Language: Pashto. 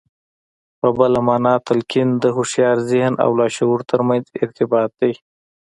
په بله مانا تلقين د هوښيار ذهن او لاشعور ترمنځ ارتباط دی.